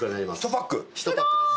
１パックです。